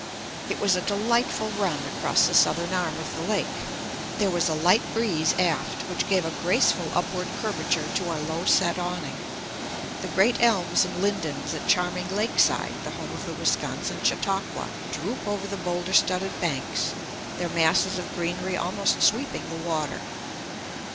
It was a delightful run across the southern arm of the lake. There was a light breeze aft, which gave a graceful upward curvature to our low set awning. The great elms and lindens at charming Lakeside the home of the Wisconsin Chautauqua droop over the bowlder studded banks, their masses of greenery almost sweeping the water.